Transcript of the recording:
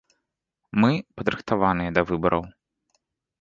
Мы падрыхтаваныя да выбараў.